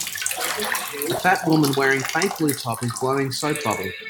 A fat woman wearing faint blue top is blowing soap bubble.